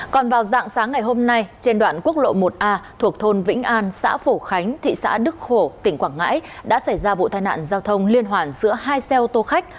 còn vào dạng sáng ngày hôm nay trên đoạn quốc lộ một a thuộc thôn vĩnh an xã phổ khánh thị xã đức phổ tỉnh quảng ngãi đã xảy ra vụ tai nạn giao thông liên hoàn giữa hai xe ô tô khách